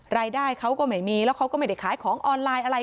รายได้เขาก็ไม่มีแล้วเขาก็ไม่ได้ขายของออนไลน์อะไร